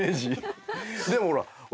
でもほら。